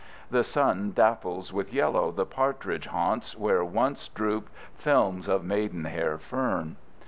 The sun dapples with yellow the partridge haunts where once drooped films of maidenhair fern.